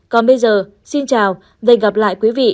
còn bây giờ xin chào và hẹn gặp lại